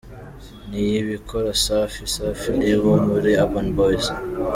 Niyibikora Safi: Safi Lee wo muri Urban Boyz.